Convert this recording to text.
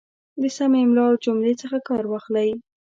د سمې املا او جملې څخه کار واخلئ